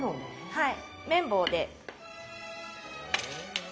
はい。